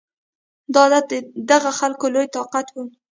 دا عادت د دغه خلکو لوی طاقت و